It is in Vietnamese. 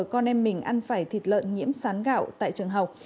con em mình ăn phải thịt lợn nhiễm sán gạo tại trường học